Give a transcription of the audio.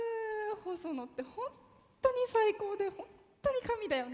ホソノって本当に最高で本当に神だよね！